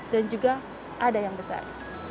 dan juga ada yang besar